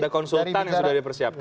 ada konsultan yang sudah dipersiapkan